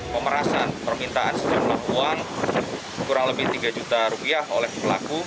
pemerasan permintaan sejumlah uang kurang lebih tiga juta rupiah oleh pelaku